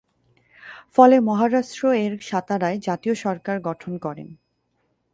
ফলে মহারাষ্ট্র এর সাতারায় জাতীয় সরকার গঠন করেন।